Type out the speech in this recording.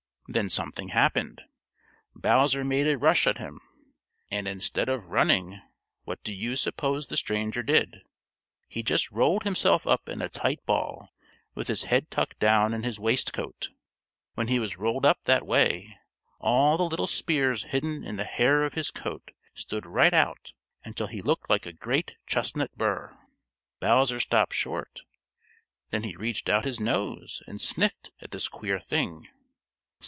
Then something happened. Bowser made a rush at him, and instead of running, what do you suppose the stranger did? He just rolled himself up in a tight ball with his head tucked down in his waistcoat. When he was rolled up that way, all the little spears hidden in the hair of his coat stood right out until he looked like a great chestnut burr. Bowser stopped short. Then he reached out his nose and sniffed at this queer thing.